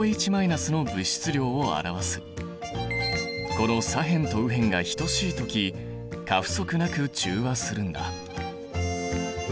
この左辺と右辺が等しい時過不足なく中和するんだ。